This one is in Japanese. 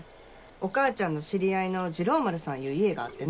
お母ちゃんの知り合いの治郎丸さんいう家があってな